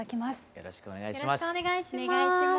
よろしくお願いします。